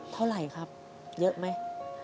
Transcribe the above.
เท่าไหร่ครับเยอะไหม